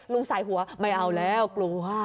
ลุงใส่หัวไม่เอาแล้วลุงว่า